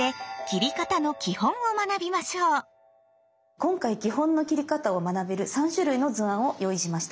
今回基本の切り方を学べる３種類の図案を用意しました。